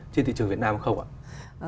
trên thị trường việt nam không ạ